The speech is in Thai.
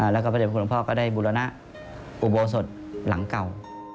แล้วก็พระเด็บคุณหลวงพ่อก็ได้บุรณะอุโบสถหลังเก่า